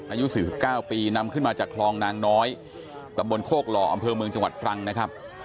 อายุ๔๙ปีนำขึ้นมาจากคลองนางน้อยตำบลโคกหล่ออำเภอเมืองจังหวัดตรังนะครับ